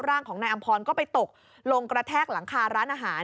ร่างของนายอำพรก็ไปตกลงกระแทกหลังคาร้านอาหาร